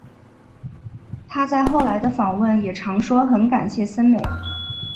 她在后来的访问也常说很感谢森美。